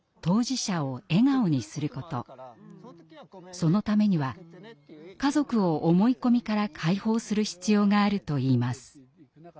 そのためには家族を思い込みから解放する必要があるといいます。